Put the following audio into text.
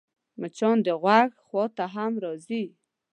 مچان د غوږ خوا ته هم راځي